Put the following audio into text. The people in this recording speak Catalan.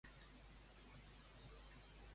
Em pots dir quan he quedat amb la Laura aquesta tarda?